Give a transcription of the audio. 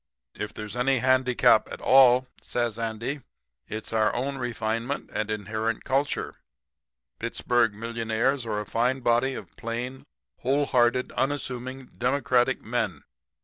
"'If there's any handicap at all,' says Andy, 'it's our own refinement and inherent culture. Pittsburg millionaires are a fine body of plain, wholehearted, unassuming, democratic men.